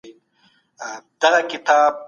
څنګه خوبونه زموږ د پټو رواني غوښتنو استازیتوب کوي؟